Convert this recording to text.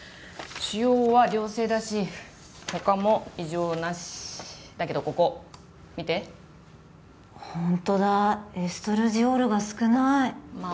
腫瘍は良性だし他も異常なしだけどここ見てほんとだエストラジオールが少ないま